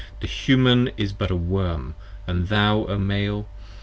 The Human is but a Worm, & thou, O Male!